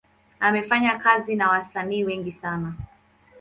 Amefanya kazi na wasanii wengi sana.